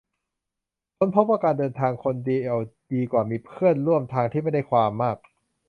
ค้นพบว่าการเดินทางคนเดียวดีกว่ามีเพื่อนร่วมทางที่ไม่ได้ความมาก